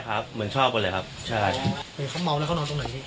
ใช่ครับเหมือนชอบกันเลยครับใช่เขาเมาแล้วเขานอนตรงไหน